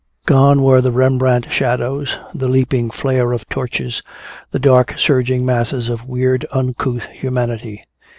Gone were the Rembrandt shadows, the leaping flare of torches, the dark surging masses of weird uncouth humanity.